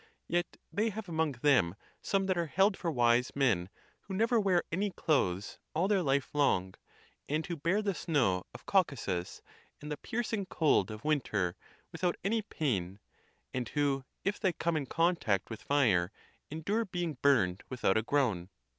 Yet they have among them some that are held for wise men, who never wear any clothes all their life long, and who bear the 192 THE TUSCULAN DISPUTATIONS. snow of Caucasus, and the piercing cold of winter, with out any pain; and who if they come in contact with fire endure being burned without a groan.